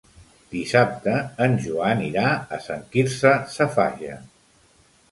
Dissabte en Joan irà a Sant Quirze Safaja.